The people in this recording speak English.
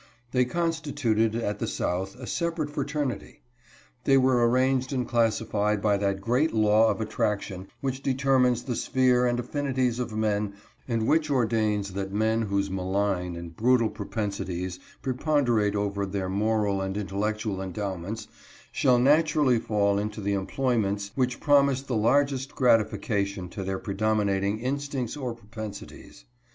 They constituted, at the South, a separate fraternity. They were arranged and classified by that great law of attrac tion which determines the sphere and affinities of men and which ordains that men whose malign and brutal pro pensities preponderate over their moral and intellectual endowments shall naturally fall into the employments which promise the largest gratification to their predom inating instincts or propensities.